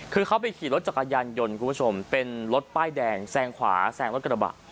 คือเขาไปขี่รถจักรยานยนต์คุณผู้ชมเป็นรถป้ายแดงแซงขวาแซงรถกระบะ